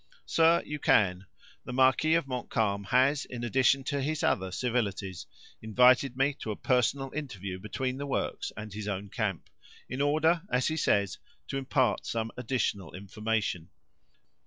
"Sir, you can; the marquis of Montcalm has, in addition to his other civilities, invited me to a personal interview between the works and his own camp; in order, as he says, to impart some additional information.